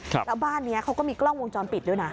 แล้วบ้านนี้เขาก็มีกล้องวงจรปิดด้วยนะ